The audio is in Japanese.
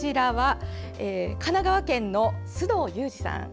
神奈川県の須藤裕二さん。